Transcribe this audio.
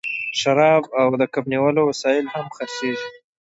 شراب او د کب نیولو وسایل هم خرڅیږي